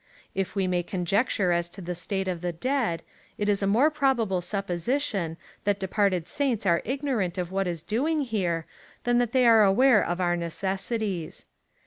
If we may conjecture as to the state of the dead, it is a more probable supposition, that departed saints are ignorant of what is doing here, than that they are aware of our necessities.